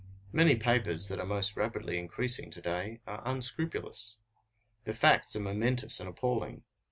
Many papers that are most rapidly increasing to day are unscrupulous. The facts are momentous and appalling.